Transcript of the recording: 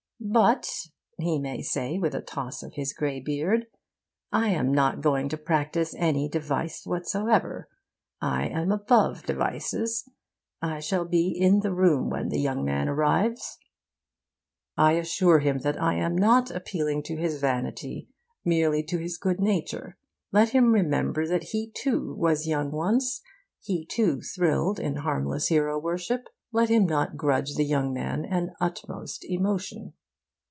'But,' he may say, with a toss of his grey beard, 'I am not going to practise any device whatsoever. I am above devices. I shall be in the room when the young man arrives.' I assure him that I am not appealing to his vanity, merely to his good nature. Let him remember that he too was young once, he too thrilled in harmless hero worship. Let him not grudge the young man an utmost emotion.